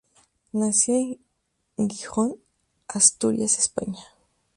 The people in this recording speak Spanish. Nació en Gijón, Asturias, España.